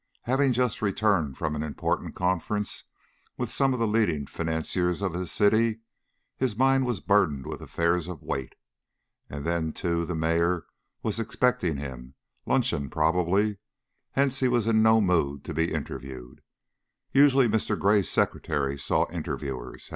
Having just returned from an important conference with some of the leading financiers of the city, his mind was burdened with affairs of weight, and then, too, the mayor was expecting him luncheon probably hence he was in no mood to be interviewed. Usually Mr. Gray's secretary saw interviewers.